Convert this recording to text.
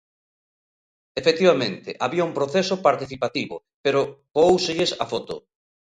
Efectivamente, había un proceso participativo, pero coóuselles a foto.